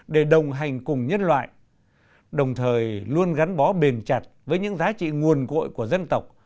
để đồng hành cùng nhân loại đồng thời luôn gắn bó bền chặt với những giá trị nguồn cội của dân tộc